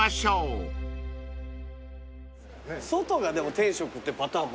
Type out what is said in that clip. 外が天職ってパターンもね。